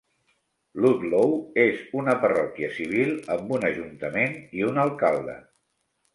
Ludlow és una parròquia civil amb un ajuntament i un alcalde.